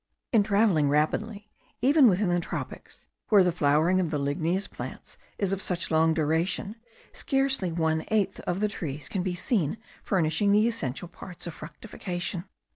In travelling rapidly, even within the tropics, where the flowering of the ligneous plants is of such long duration, scarcely one eighth of the trees can be seen furnishing the essential parts of fructification.